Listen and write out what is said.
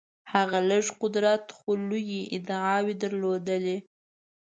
هغه لږ قدرت خو لویې ادعاوې درلودلې.